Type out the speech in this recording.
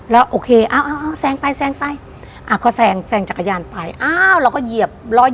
แล้วโอเคอ้าวแซงไปอ้าวเขาแซงแซงจักรยานไปอ้าวเราก็เหยียบ๑๒๐